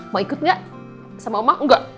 mau ikut gak sama emak enggak